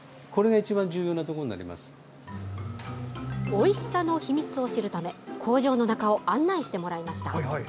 おいしさの秘密を知るため工場の中を案内してもらいました。